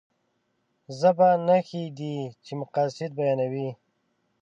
ژبه نښې دي چې مقاصد بيانوي.